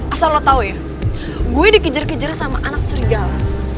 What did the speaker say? asal lo tau ya gue dikejar kejar sama anak serigala